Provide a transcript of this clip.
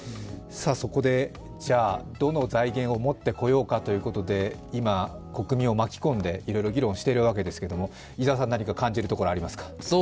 そこでどの財源を持ってこようかということで今、国民を巻き込んでいろいろ議論してるわけですけども伊沢さん、何か感じるところありますか？